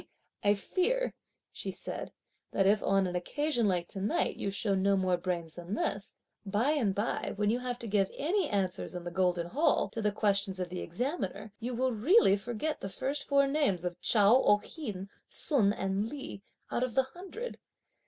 "I fear," she said, "that if, on an occasion like to night, you show no more brains than this, by and by when you have to give any answers in the golden hall, to the questions (of the examiner), you will, really, forget (the very first four names) of Chao, Oh'ien, Sun and Li (out of the hundred)!